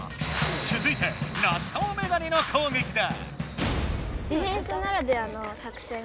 つづいてナシトウメガネの攻撃だ。